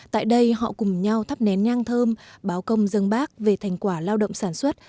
tại đây họ cùng nhau thắp nén nhang thơm báo công dân bác về thành quả lao động sản xuất